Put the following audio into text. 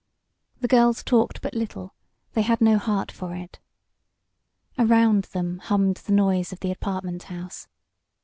The girls talked but little they had no heart for it. Around them hummed the noise of the apartment house.